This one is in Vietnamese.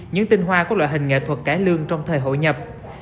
những tinh hoa của loại hình nghệ thuật cải lương trong thời hội nhập